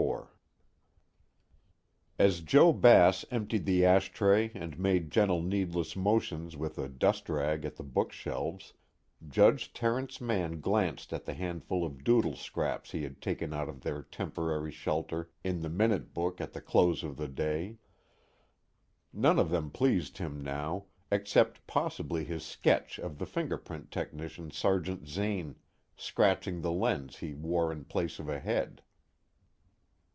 IV As Joe Bass emptied the ash tray and made gentle needless motions with a dustrag at the bookshelves, Judge Terence Mann glanced at the handful of doodle scraps he had taken out of their temporary shelter in the minute book at the close of the day. None of them pleased him now, except possibly his sketch of the fingerprint technician Sergeant Zane scratching the lens he wore in place of a head.